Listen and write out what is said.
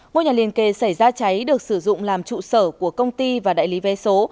ngôi nhà liên kề xảy ra cháy được sử dụng làm trụ sở của công ty và đại lý vé số